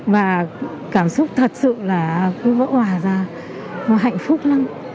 và cảm xúc thật sự là cứ vỗ hòa ra vui hạnh phúc lắm